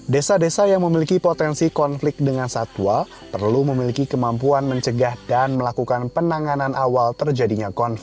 desa desa yang memiliki potensi konflik dengan satwa perlu memiliki kemampuan mencegah dan melakukan penanganan awal terjadinya konflik